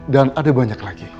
dan ada banyak lagi